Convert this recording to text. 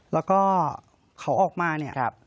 แล้วก็เขาออกมาเนี่ย